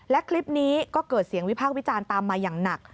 และคลิปนี้ก็เกิดเสียงวิพากษ์วิจารณ์ตามมาอย่างหนัก